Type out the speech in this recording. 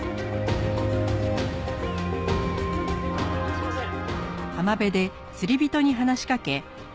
すいません。